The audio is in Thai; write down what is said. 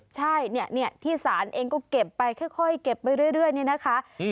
ใช่เนี่ยที่ศาลเองก็เก็บไปค่อยเก็บไปเรื่อยนี่นะคะ